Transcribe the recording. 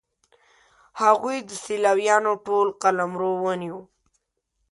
هغوی د سلاویانو ټول قلمرو ونیو.